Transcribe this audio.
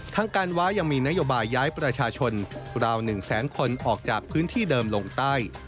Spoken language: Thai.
ทางการว้ายังมีนโยบายย้ายประชาชนราว๑แสนคนออกจากพื้นที่เดิมลงใต้